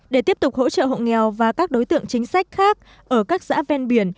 để tiếp tục hỗ trợ hộ nghèo và các đối tượng chính sách khác ở các xã ven biển